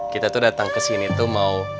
kita tuh datang kesini tuh mau